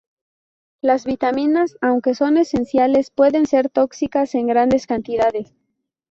Las vitaminas aunque son esenciales, pueden ser tóxicas en grandes cantidades.